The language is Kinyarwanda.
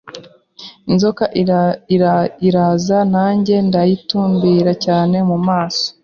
Inzoka iraza nanjye ndayitumbira cyane mu maso